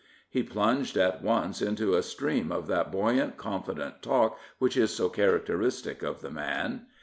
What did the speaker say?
He plunged at once into a stream of that buoyant, confident talk which is so characteristic of the man.